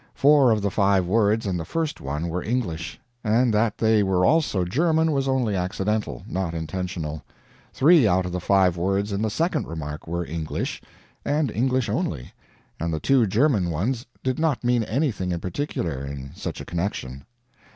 Four of the five words in the first one were English, and that they were also German was only accidental, not intentional; three out of the five words in the second remark were English, and English only, and the two German ones did not mean anything in particular, in such a connection.